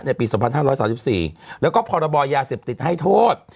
ในปีสองพันห้าร้อยสามสิบสี่แล้วก็ภรรบอยาเสพติดให้โทษ